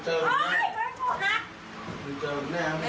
หนูนี่มีหนักทางค่ะ